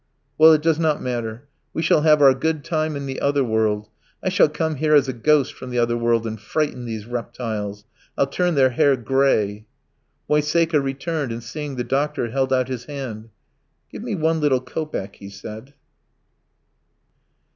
Well, it does not matter. ... We shall have our good time in the other world. ... I shall come here as a ghost from the other world and frighten these reptiles. I'll turn their hair grey." Moiseika returned, and, seeing the doctor, held out his hand. "Give me one little kopeck," he said.